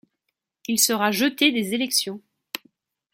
Il sera jeté des élections.